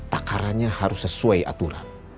takarannya harus sesuai aturan